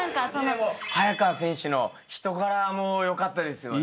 早川選手の人柄も良かったですよね。